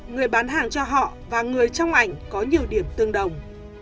người bán hàng cho họ và người trong ảnh có nhiều điểm tương đồng